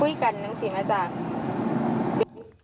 และกันทั้งแบกจริงเยอะ